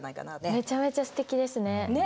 めちゃめちゃすてきですね。